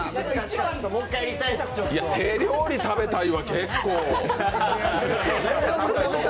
「手料理、食べたい」は結構、ねえ。